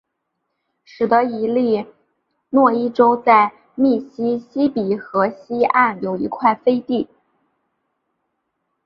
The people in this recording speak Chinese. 使得伊利诺伊州在密西西比河西岸有一块飞地。